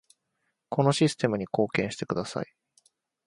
このシステムに貢献してください